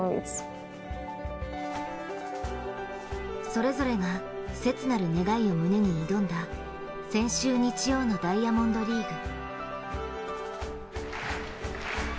それぞれが切なる願いを胸に挑んだ先週日曜のダイヤモンドリーグ。